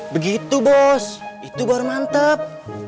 begitu bos itu baru mantap